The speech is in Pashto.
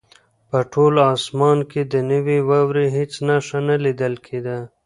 په ټول اسمان کې د نوې واورې هېڅ نښه نه لیدل کېده.